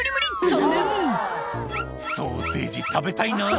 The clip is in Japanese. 「残念」「ソーセージ食べたいな」